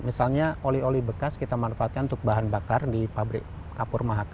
misalnya oli oli bekas kita manfaatkan untuk bahan bakar di pabrik kapur mahaka